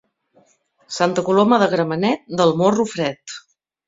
Santa Coloma de Gramenet, del morro fred.